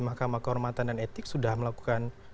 mahkamah kehormatan dan etik sudah melakukan